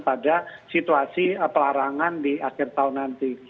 pada situasi pelarangan di akhir tahun nanti